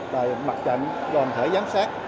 và mặt trận đồng thời giám sát